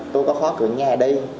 tôi có khó chuyển nhà đi